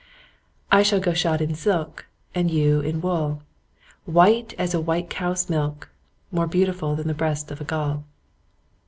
I shall go shod in silk, And you in wool, White as a white cow's milk, More beautiful Than the breast of a gull.